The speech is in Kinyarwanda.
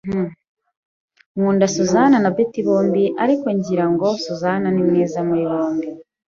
Nkunda Susan na Betty bombi, ariko ngira ngo Susan ni mwiza muri bombi.